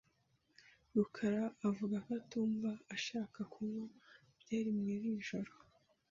rukara avuga ko atumva ashaka kunywa byeri muri iri joro .